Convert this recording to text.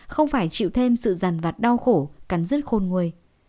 không phải chịu thêm sự giàn vặt đau khổ cắn rứt khôn nguôi